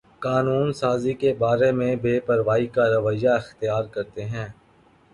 قانون سازی کے بارے میں بے پروائی کا رویہ اختیار کرتے ہیں